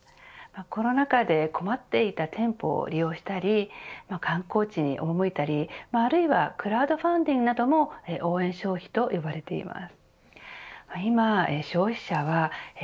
コロナ禍で困っていた店舗を利用したり観光地におもむいたりあるいはクラウドファンディングなどの応援消費と呼ばれています。